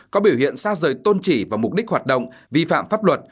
có biểu hiện xa rời tôn trị và mục đích hoạt động vi phạm pháp luật